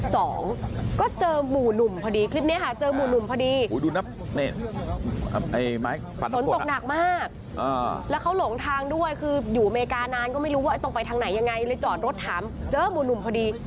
สองก็เจอหมู่หนุ่มพอดีคลิปเนี้ยค่ะเจอหมู่หนุ่มพอดี